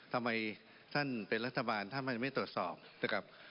ทำไมท่านเป็นรัฐบาลท่านไม่ตรวจสอบนะครับ